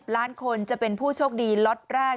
ล้านคนจะเป็นผู้โชคดีล็อตแรก